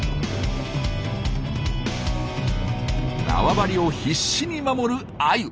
縄張りを必死に守るアユ。